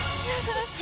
どっち？